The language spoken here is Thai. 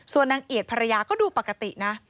ส่วนนางเอียดภรรยาก็ดูปกตินะ